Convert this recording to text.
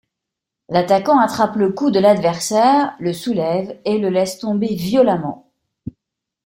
L'attaquant attrape le cou de l'adversaire, le soulève et le laisse tomber violemment.